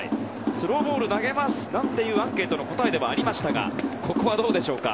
スローボールを投げますというアンケートの答えではありましたがここはどうでしょうか。